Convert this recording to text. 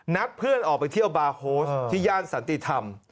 เพื่อนออกไปเที่ยวบาร์โฮสที่ย่านสันติธรรม